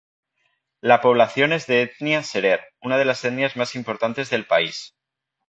La población es de etnia serer, una de las etnias más importantes del país.